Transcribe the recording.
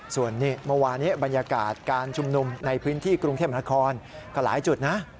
ส่วนเมื่อวานี้บรรยากาศการชุมนุมในพื้นที่กรุงเทพนครก็หลายจุดนะ